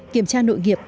kiểm tra nội nghiệp